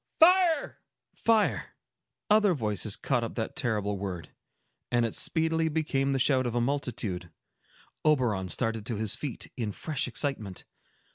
"Fire!" Fire! Other voices caught up that terrible word, and it speedily became the shout of a multitude. Oberon started to his feet, in fresh excitement.